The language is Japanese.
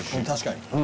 確かに。